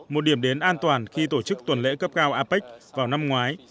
một điểm đến an toàn khi tổ chức tuần lễ cấp cao apec vào năm ngoái